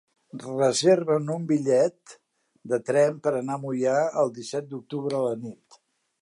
Reserva'm un bitllet de tren per anar a Moià el disset d'octubre a la nit.